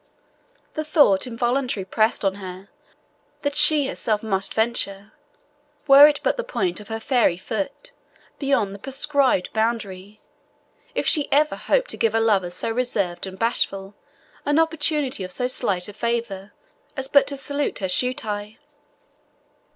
The thought involuntarily pressed on her that she herself must venture, were it but the point of her fairy foot, beyond the prescribed boundary, if she ever hoped to give a lover so reserved and bashful an opportunity of so slight a favour as but to salute her shoe tie.